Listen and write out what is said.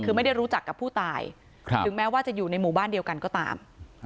คือไม่ได้รู้จักกับผู้ตายถึงแม้ว่าจะอยู่ในหมู่บ้านเดียวกันก็ตาม